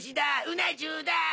うな重だぁ！